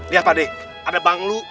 lihat tadi ada bang lu